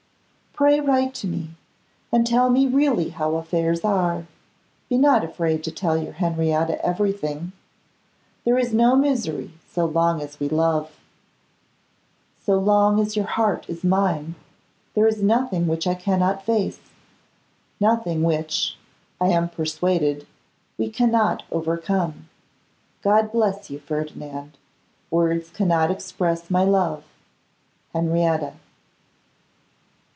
Pray write to me, and tell me really how affairs are. Be not afraid to tell your Henrietta everything. There is no misery so long as we love; so long as your heart is mine, there is nothing which I cannot face, nothing which, I am persuaded, we cannot overcome. God bless you, Ferdinand. Words cannot express my love. Henrietta.